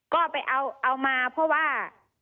ก็ไปเอามาเพราะว่า